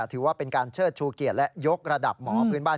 ถือว่าเป็นการเชิดชูเกียรติและยกระดับหมอพื้นบ้าน